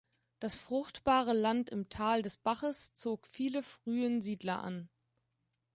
Das fruchtbare Land im Tal des Baches zog viele frühen Siedler an.